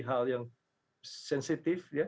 hal yang sensitif